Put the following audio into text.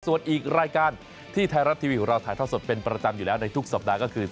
ส่วนอีกรายการที่ไทยรัฐทีวีของเราถ่ายท่อสดเป็นประจำอยู่แล้วในทุกสัปดาห์ก็คือ